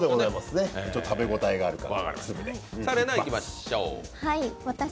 食べ応えがある、粒で。